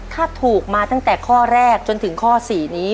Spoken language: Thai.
ถ้าถูกมาตั้งแต่ข้อแรกจนถึงข้อ๔นี้